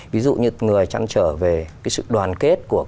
ví dụ như người chăn trở về cái sự đoàn kết của